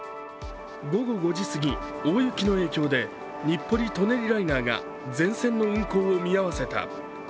午後５時すぎ、大雪の影響で日暮里舎人ライナーが全線の運行を見合わせた。